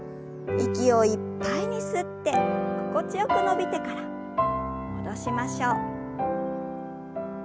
息をいっぱいに吸って心地よく伸びてから戻しましょう。